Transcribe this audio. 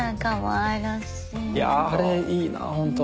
いやあれいいなほんと。